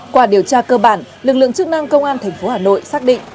qua điều tra cơ bản lực lượng chức năng công an tp hà nội xác định